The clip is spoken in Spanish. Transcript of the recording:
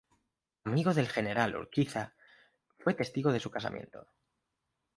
Amigo del general Urquiza, fue testigo de su casamiento.